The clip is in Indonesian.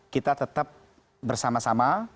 kita tetap bersama sama